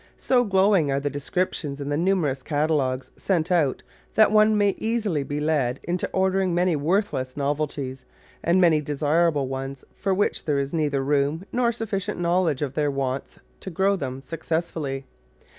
So glowing are the descriptions in the numerous catalogues sent out that one may easily be led into ordering many worthless novelties, and many desirable ones for which there is neither room nor sufficient knowledge of their wants to grow them successfully.